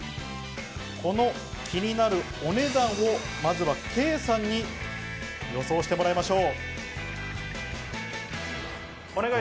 この気になるお値段をまずはケイさんに予想してもらいましょう。